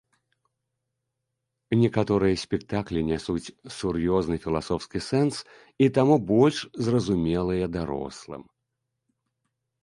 Некаторыя спектаклі нясуць сур'ёзны філасофскі сэнс, і таму больш зразумелыя дарослым.